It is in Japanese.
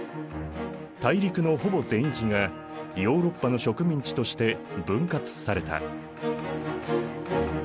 大陸のほぼ全域がヨーロッパの植民地として分割された。